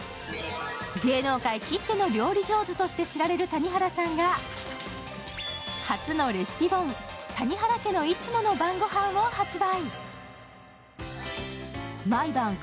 芸能界切っての料理上手として知られる谷原さんが初のレシピ本「谷原家のいつもの晩ごはん」を発売。